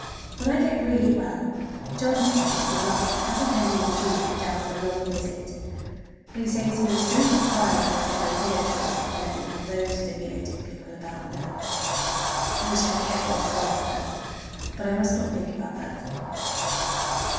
When I get really well John says we will ask Cousin Henry and Julia down for a long visit; but he says he would as soon put fire works in my pillow case as to let me have those stimulating people about now. I wish I could get well faster. But I must not think about that.